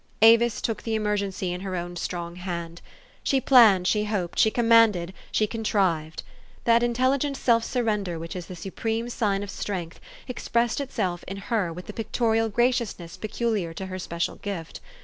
Avis took the emergency in her own strong hand. She planned, she hoped, she commanded, she con trived. That intelligent self surrender which is the supreme sign of strength, expressed itself in her with the pictorial graciousness peculiar to her special gift.